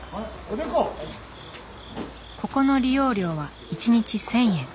ここの利用料は１日１，０００円。